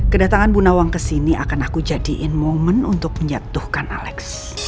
kedatangan bu nawang ke sini akan aku jadiin momen untuk menjatuhkan alex